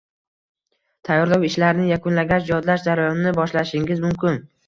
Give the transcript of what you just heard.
Tayyorlov ishlarini yakunlagach, yodlash jarayonini boshlashingiz mumkin.